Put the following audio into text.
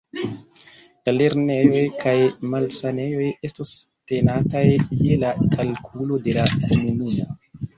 La lernejoj kaj malsanejoj estos tenataj je la kalkulo de la komunumo.